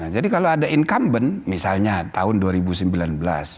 jadi kalau ada incumbent misalnya tahun dua ribu sembilan belas